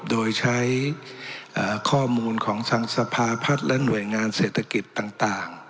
โดยใช้ข้อมูลของทางสภาพัฒน์และหน่วยงานเศรษฐกิจต่าง